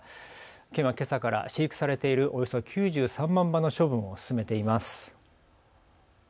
県はけさから飼育されているおよそ９３万羽の処分を進めています。